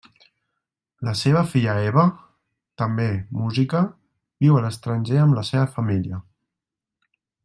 La seva filla Eva, també música, viu a l'estranger amb la seva família.